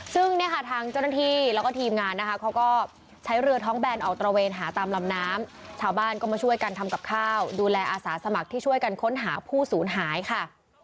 ซึ่งเนี่ยค่ะทางเจ้าหน้าที่แล้วก็ทีมงานนะคะเขาก็ใช้เรือท้องแบนออกตระเวนหาตามลำน้ำชาวบ้านก็มาช่วยกันทำกับข้าวดูแลอาสาสมัครที่ช่วยกันค้นหาผู้สูญหายค่ะ